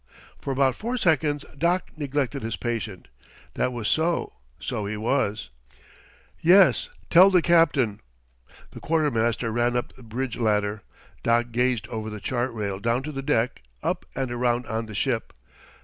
For about four seconds Doc neglected his patient. That was so; so he was. "Yes, tell the captain." The quartermaster ran up the bridge ladder. Doc gazed over the chart rail down to the deck, up and around on the ship.